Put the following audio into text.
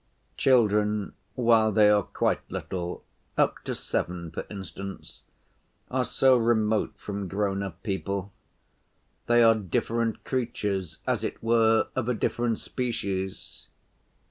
Children while they are quite little—up to seven, for instance—are so remote from grown‐up people; they are different creatures, as it were, of a different species.